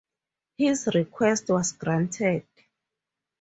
His request was granted.